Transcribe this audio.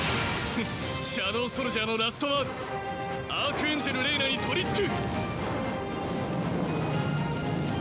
フッシャドウソルジャーのラストワードアークエンジェル・レイナに取りつく！